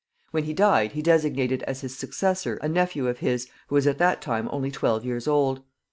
When he died he designated as his successor a nephew of his, who was at that time only twelve years old.